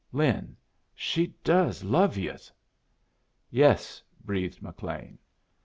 Lin, she does love yus!" "Yes," breathed McLean.